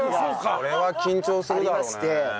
それは緊張するだろうね。